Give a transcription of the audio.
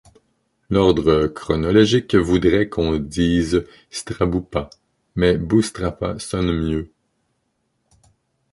L'ordre chronologique voudrait qu'on dise Straboupa, mais Boustrapa sonne mieux.